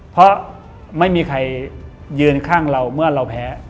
เพราะไม่มีใครยืนข้างเราเมื่อเราแพ้